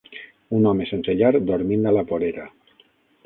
Un home sense llar dormint a la vorera.